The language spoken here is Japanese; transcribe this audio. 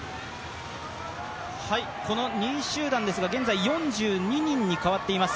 この２位集団ですが現在４２人に変わっています。